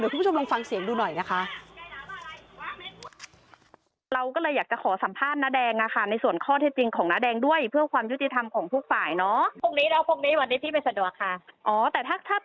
คุณผู้ชมลองฟังเสียงดูหน่อยนะคะ